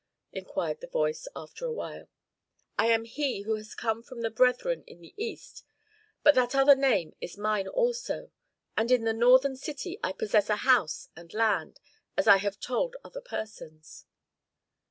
inquired the voice, after a while. "I am he who was to come from brethren in the East; but that other name is mine also, and in the northern city I possess a house and land, as I have told other persons."